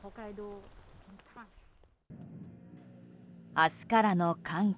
明日からの寒気。